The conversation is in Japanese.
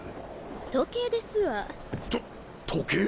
時計ですわ。と時計？